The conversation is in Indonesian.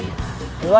jual aja cantiknya